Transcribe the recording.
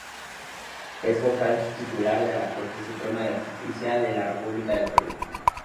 Es vocal titular de la Corte Suprema de Justicia de la República del Perú.